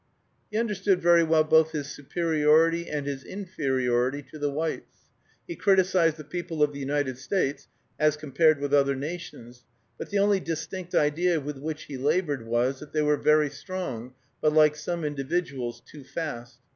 He understood very well both his superiority and his inferiority to the whites. He criticised the people of the United States as compared with other nations, but the only distinct idea with which he labored was, that they were "very strong," but, like some individuals, "too fast."